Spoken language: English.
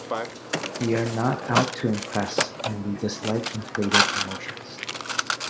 We are not out to impress, and we dislike inflated emotions.